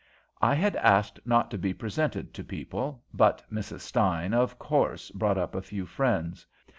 "I had asked not to be presented to people, but Mrs. Stein, of course, brought up a few friends.